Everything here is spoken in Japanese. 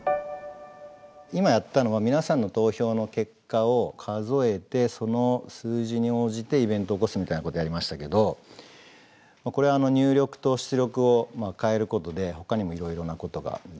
今やったのは皆さんの投票の結果を数えてその数字に応じてイベントを起こすみたいなことやりましたけどこれ入力と出力を変えることでほかにもいろいろなことができます。